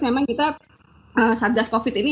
memang kita satgas covid ini